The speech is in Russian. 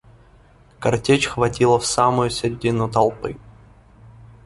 Картечь хватила в самую средину толпы.